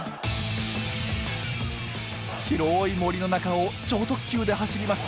広い森の中を超特急で走ります。